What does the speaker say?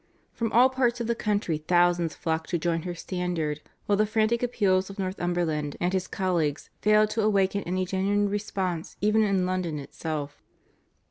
From all parts of the country thousands flocked to join her standard, while the frantic appeals of Northumberland and his colleagues failed to awaken any genuine response even in London itself.